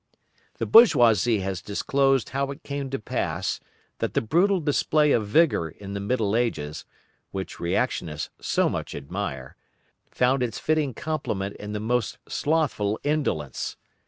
The bourgeoisie has disclosed how it came to pass that the brutal display of vigour in the Middle Ages, which Reactionists so much admire, found its fitting complement in the most slothful indolence.